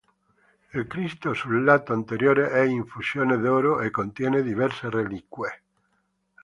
Il "Cristo" sul lato anteriore è in fusione d'oro e contiene diverse reliquie.